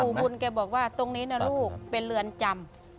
บุญแกบอกว่าตรงนี้นะลูกเป็นเรือนจำ